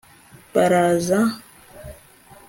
baraza